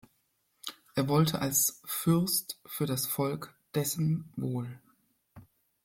Er wollte als „Fürst für das Volk“ dessen Wohl.